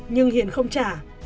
nhưng hiền không trả